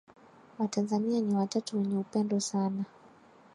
Watanzania ni watu wenye upendo sana